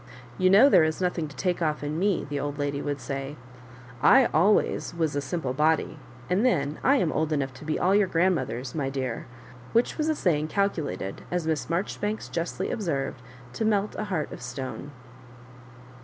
*' You know there is nothing to take off in m?," the old lady would say ;" I always was a simple, body ; and then I am old enough to be all your grandmothers, my dear ;" which was a saying calculated, as Miss Marjoribanks justly observed, to melt a heart of stone.